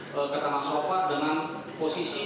ke tengah sofa dengan posisi